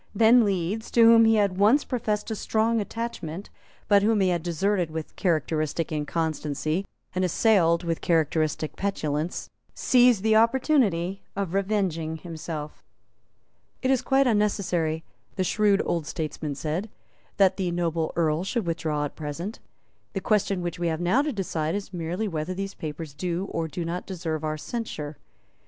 Then Leeds, to whom he had once professed a strong attachment, but whom he had deserted with characteristic inconstancy and assailed with characteristic petulance, seized the opportunity of revenging himself. "It is quite unnecessary," the shrewd old statesman said, "that the noble Earl should withdraw at present. The question which we have now to decide is merely whether these papers do or do not deserve our censure.